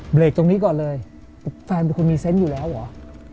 เบรกตรงนี้ก่อนเลยแฟนเป็นคนมีเซนต์อยู่แล้วเหรอ